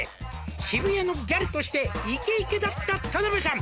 「渋谷のギャルとしてイケイケだった田辺さん」